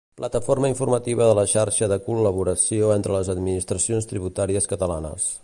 Plataforma informativa de la xarxa de col·laboració entre les administracions tributàries catalanes.